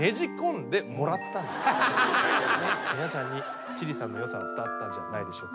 皆さんに千里さんのよさが伝わったんじゃないでしょうか？